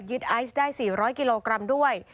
ไอซ์ได้๔๐๐กิโลกรัมด้วย